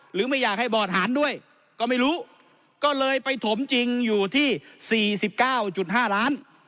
หรือไม่อยากให้บอร์ดหารด้วยก็ไม่รู้ก็เลยไปถมจริงอยู่ที่สี่สิบเก้าจุดห้าร้าน